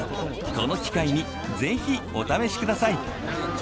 この機会にぜひお試しください。